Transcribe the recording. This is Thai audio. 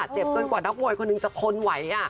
เจ็บเกินกว่านักมวยคนหนึ่งจะทนไหว